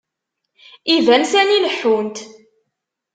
Iban sani leḥḥunt.